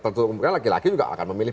tentu laki laki juga akan memilih